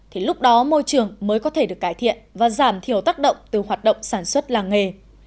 thì lúc đó môi trường mới có thể được cải thiện và giảm thiểu tác động từ hoạt động sản xuất làng nghề